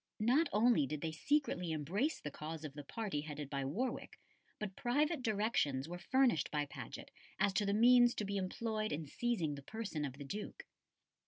Not only did they secretly embrace the cause of the party headed by Warwick, but private directions were furnished by Paget as to the means to be employed in seizing the person of the Duke.